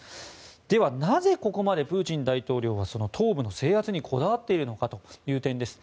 では、なぜここまでプーチン大統領は東部の制圧にこだわっているのかという点です。